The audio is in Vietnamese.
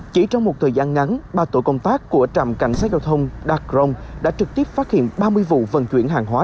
cho đối tượng khai nhận